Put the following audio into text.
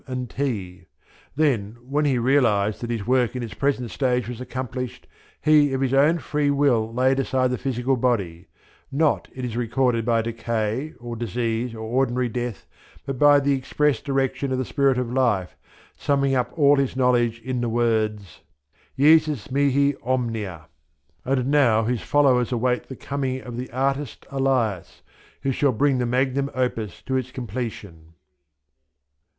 and T. Then, when he realized that his work in its present stage was accomplished, he of his own free will laid aside the physical body, not, it is recorded, by decay, or disease, or ordinary death, but by the express direction of the Spirit of Life, summing up all his knowledge in the words, "Jesus mihi omnia." And now his followers await the coming of "the Artist Elias," who shall bring the Magnum Opus to its completion.